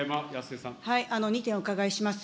２点お伺いします。